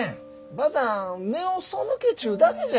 ばあさん目をそむけちゅうだけじゃ。